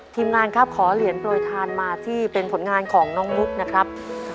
ทีมงานครับขอเหรียญโปรยทานมาที่เป็นผลงานของน้องมุกนะครับ